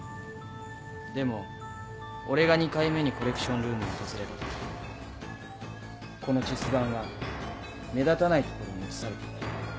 でも俺が２回目にコレクションルームを訪れた時このチェス盤は目立たない所に移されていた。